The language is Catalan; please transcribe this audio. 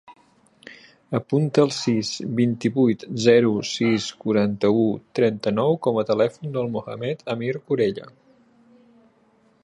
Apunta el sis, vint-i-vuit, zero, sis, quaranta-u, trenta-nou com a telèfon del Mohamed amir Corella.